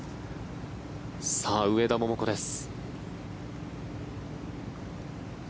さあ、上田桃子です。